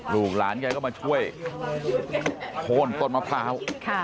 ลูกหลานแกก็มาช่วยโค้นต้นมะพร้าว